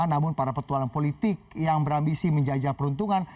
namun para petualang politik yang berambisi menjajal peruntungan